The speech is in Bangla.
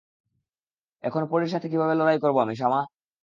এখন পরীর সাথে কীভাবে লড়াই করবো আমি, শামা?